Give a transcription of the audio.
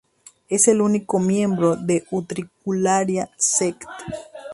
Es el único miembro de Utricularia" sect.